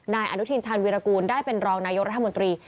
นายอนุทินชาญวิรากูลได้เป็นรองนายกรัฐมนตรี